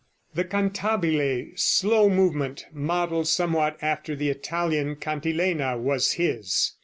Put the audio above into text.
The cantabile slow movement, modeled somewhat after the Italian cantilena, was his.